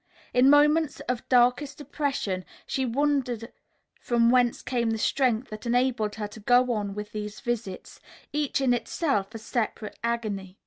In moments of darkest depression she wondered from whence came the strength that enabled her to go on with these visits, each in itself a separate agony.